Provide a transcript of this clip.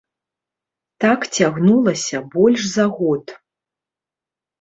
Так цягнулася больш за год.